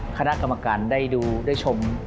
คณะกรรมการได้ดูได้ชม